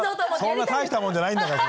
そんな大したもんじゃないんだから。